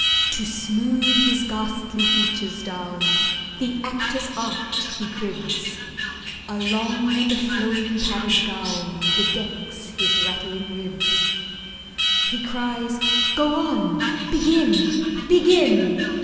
To smooth his ghastly features down The actor's art he cribs,— A long and a flowing padded gown. Bedecks his rattling ribs. He cries, "Go on—begin, begin!